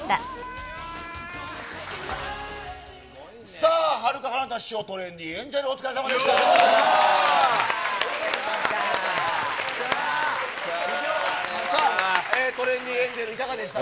さあ、はるか・かなた師匠、トレンディエンジェル、お疲れさまでした。